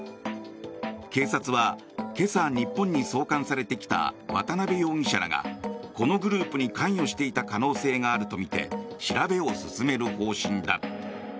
警察は今朝、日本に送還されてきた渡邉容疑者らがこのグループに関与していた可能性があるとみて調べを進める方針だ。